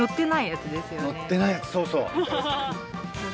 載ってないやつそうそう。